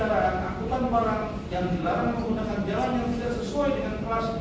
yang dilarang menggunakan jalan yang tidak sesuai dengan kelas